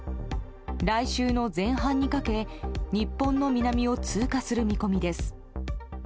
来週の前半にかけ日本の南を通過する見込みです。